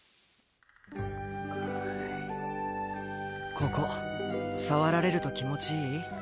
ここ触られると気持ちいい？